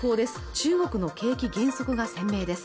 中国の景気減速が鮮明です